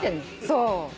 そう。